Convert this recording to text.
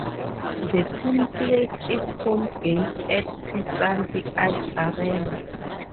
The team plays its home games at Isanti Ice Arena.